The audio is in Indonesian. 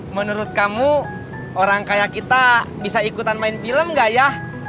menurut kamu orang kaya kita bisa ikutan main film gak ya